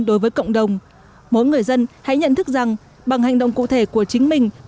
đối với cộng đồng mỗi người dân hãy nhận thức rằng bằng hành động cụ thể của chính mình